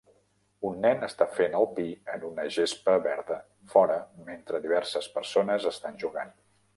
Un nen està fent el pi en una gespa verda fora, mentre diverses persones estan jugant